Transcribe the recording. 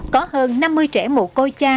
có hơn năm mươi trẻ mù côi cha